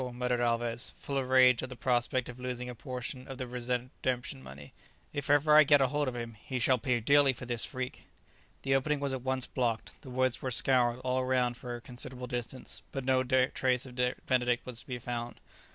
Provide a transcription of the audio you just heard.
muttered Alvez, full of rage at the prospect of losing a portion of the redemption money; "if ever I get hold of him, he shall pay dearly for this freak." The opening was at once blocked up, the woods were scoured all round for a considerable distance, but no trace of Benedict was to be found.